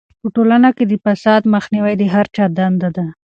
په ټولنه کې د فساد مخنیوی د هر چا دنده ده.